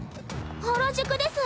原宿です。